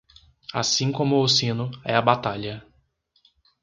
Assim como o sino, é a batalha.